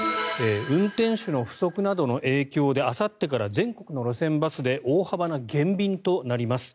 運転手の不足などの影響であさってから全国の路線バスで大幅な減便となります。